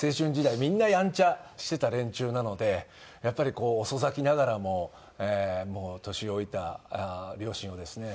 みんなヤンチャしてた連中なのでやっぱり遅咲きながらも年老いた両親をですね